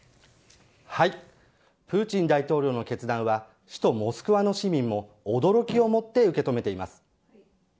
プーチン大統領の決断は首都モスクワの市民も驚きをもって受け止めています。